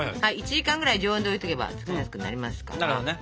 １時間ぐらい常温で置いておけば使いやすくなりますからね。